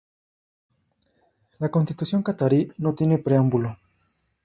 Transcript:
La Constitución catarí no tiene preámbulo.